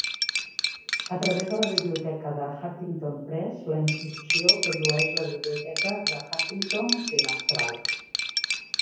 A través de la biblioteca de Huntington Press, la institució produeix la biblioteca de Huntington trimestral.